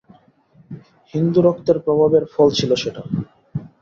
হিন্দুরক্তের প্রভাবের ফল ছিল সেটা।